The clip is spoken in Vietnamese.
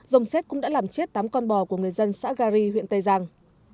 rồng xét cũng đã làm chết tám con bò của người dân xã gari huyện tây giang